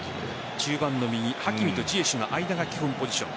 中盤の右ハキミとジエシュの間が基本ポジション。